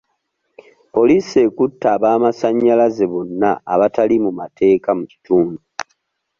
Poliisi ekutte ab'amasannyalaze bonna abatali mu mateeka mu kitundu.